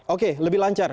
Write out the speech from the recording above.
oke lebih lancar